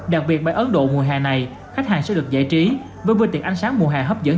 đặc biệt với ấn độ mùa hè này khách hàng sẽ được giải trí với bữa tiệc ánh sáng mùa hè hấp dẫn